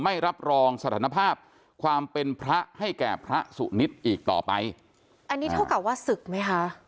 ไม่รับรองสถานภาพความเป็นพระให้แก่พระสุนิทอีกต่อไปอันนี้เท่ากับว่าศึกไหมคะ